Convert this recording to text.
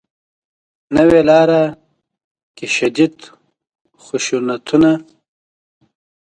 نوې لاره کې شدید خشونتونه